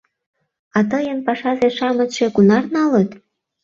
— А тыйын пашазе-шамычше кунар налыт?